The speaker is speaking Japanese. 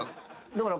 だから。